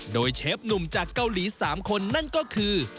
โดยเชฟหนุ่มจากเกาหลี๓คนนั่นก็คือ